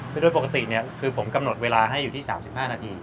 คือคนนี้ผมกำหนดเวลาให้อยู่ที่๓๕นาที